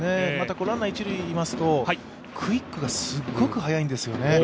ランナー・一塁いますと、クイックがすごく速いんですよね。